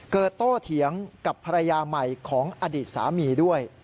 โต้เถียงกับภรรยาใหม่ของอดีตสามีด้วย